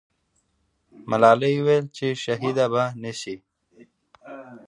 ملالۍ وویل چې شهیده به نه سي.